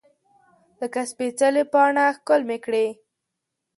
لکه سپیڅلې پاڼه ښکل مې کړې